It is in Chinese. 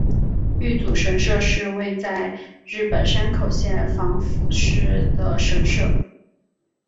玉祖神社是位在日本山口县防府市的神社。